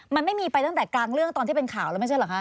มันไม่มีไปตั้งแต่กลางเรื่องตอนที่เป็นข่าวแล้วไม่ใช่เหรอคะ